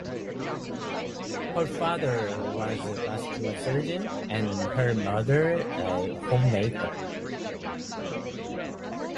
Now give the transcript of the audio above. Her father was a vascular surgeon and her mother a homemaker.